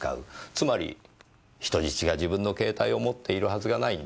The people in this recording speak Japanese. つまり人質が自分の携帯を持っているはずがないんです。